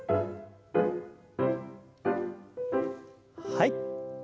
はい。